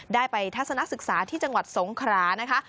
ได้ไปทัศนศึกษาที่จังหวัดสงครานะคะ